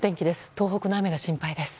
東北の雨が心配です。